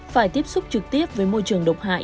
phải tiếp xúc trực tiếp với môi trường độc hại